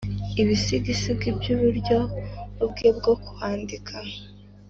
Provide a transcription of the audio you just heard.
ibisigisigi byuburyo bwe bwo kwandika